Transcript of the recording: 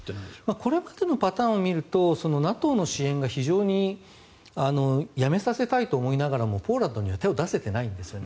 これまでのパターンを見るとＮＡＴＯの支援がやめさせたいと思いながらもポーランドには手を出せていないんですよね。